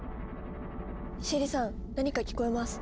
シエリさん何か聞こえます。